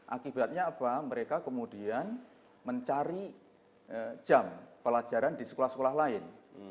akibatnya apa mereka kemudian mencari jam pelajaran di sekolah sekolah lain